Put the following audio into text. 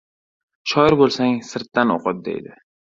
Shoir bo‘lsang, sirtdan o‘qit, deydi!